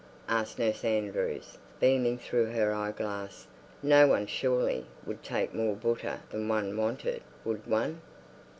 asked Nurse Andrews, beaming through her eyeglasses. "No one, surely, would take more buttah than one wanted—would one?"